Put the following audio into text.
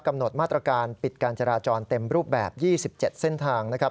กำหนดมาตรการปิดการจราจรเต็มรูปแบบ๒๗เส้นทางนะครับ